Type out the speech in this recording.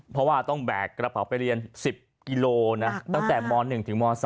เพราะว่าต้องแบกกระเป๋าไปเรียน๑๐กิโลนะตั้งแต่ม๑ถึงม๓